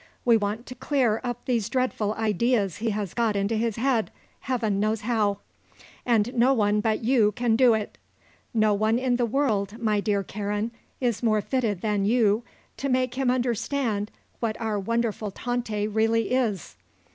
We want to clear up these dreadful ideas he has got into his head, heaven knows how. And no one but you can do it. No one in the world, my dear Karen, is more fitted than you to make him understand what our wonderful Tante really is.